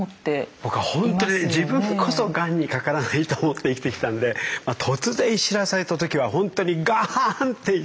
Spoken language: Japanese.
僕はほんとに自分こそがんにかからないと思って生きてきたんで突然知らされた時はほんとにガーンって。